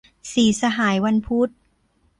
สี่สหายวันพุธ